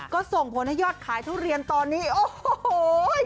ก็ส่งผลให้ยอดขายทุเรียนตอนนี้โอ้โห